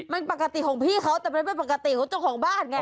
มันปกติของพี่เขาแต่มันเป็นปกติของเจ้าของบ้านไง